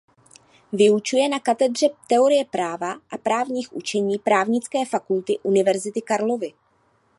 Vyučuje na Katedře teorie práva a právních učení Právnické fakulty Univerzity Karlovy.